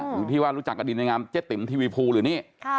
หรือที่ว่ารู้จักกับดินในงามเจ๊ติ๋มทีวีภูหรือนี่